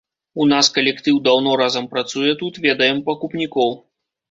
У нас калектыў даўно разам працуе тут, ведаем пакупнікоў.